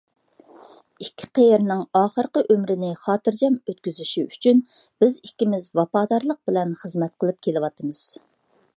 ئىككى قېرىنىڭ ئاخىرقى ئۆمرىنى خاتىرجەم ئۆتكۈزۈشى ئۈچۈن بىز ئىككىمىز ۋاپادارلىق بىلەن خىزمەت قىلىپ كېلىۋاتىمىز.